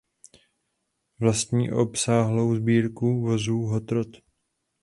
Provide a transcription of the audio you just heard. Vlastní obsáhlou sbírku vozů "Hot Rod".